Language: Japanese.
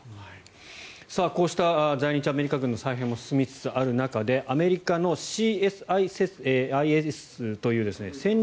こうした在日アメリカ軍の再編も進みつつある中でアメリカのＣＳＩＳという戦略